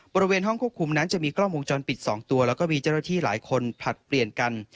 บริเวณห้องควบคุมนั้นจะมีกล้องวงจรปิด๒ตัวแล้วก็มีเจ้าหน้าที่หลายคนผลัดเปลี่ยนกัน